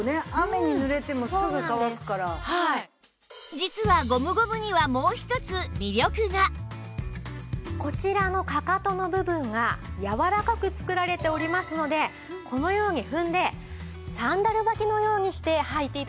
実はゴムゴムにはこちらのかかとの部分がやわらかく作られておりますのでこのように踏んでサンダル履きのようにして履いて頂けるんです。